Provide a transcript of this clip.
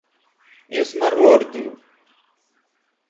اس مہ روڈ تھو